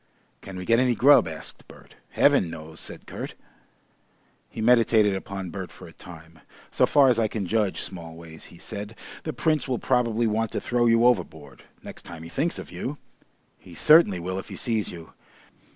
"Can we get any grub?" asked Bert. "Heaven knows!" said Kurt. He meditated upon Bert for a time. "So far as I can judge, Smallways," he said, "the Prince will probably want to throw you overboard next time he thinks of you. He certainly will if he sees you....